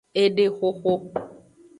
Edexoxo.